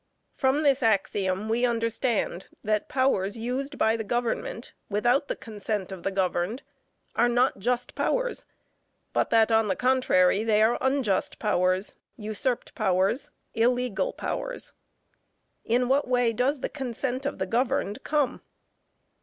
From this axiom we understand that powers used by the government without the consent of the governed, are not just powers, but that on the contrary, they are unjust powers, usurped powers, illegal powers. In what way does the consent of the governed come?